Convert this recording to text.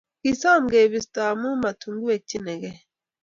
kisom kebisto amu matukuwekchinigei